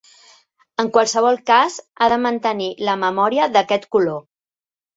En qualsevol cas, ha de mantenir la memòria d"aquest color.